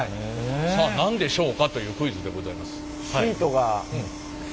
さあ何でしょうかというクイズでございます。